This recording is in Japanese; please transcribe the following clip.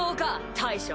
大将。